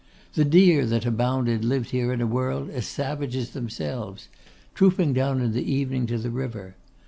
The deer, that abounded, lived here in a world as savage as themselves: trooping down in the evening to the river.